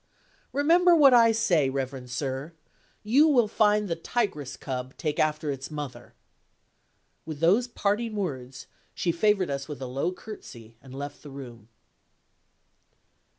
"Remember what I say, reverend sir! You will find the tigress cub take after its mother." With those parting words, she favored us with a low curtsey, and left the room.